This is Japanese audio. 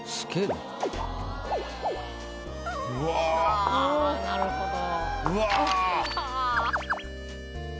なるほど。